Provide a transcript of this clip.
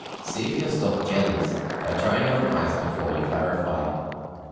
(See if your stock jellies, by trying it on ice before you clarify.)